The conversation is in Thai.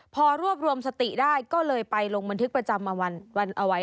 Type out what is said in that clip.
พอรวบรวมสติได้ก็เลยไปลงบันทึกประจำวันเอาไว้